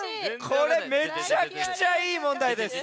これめちゃくちゃいいもんだいです。